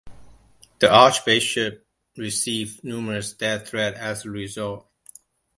The Archbishop received numerous death threats as a result.